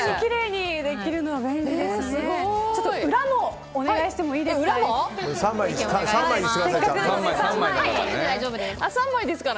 裏もお願いしてもいいですか。